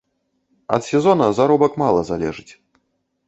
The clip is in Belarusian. Ад сезона заробак мала залежыць.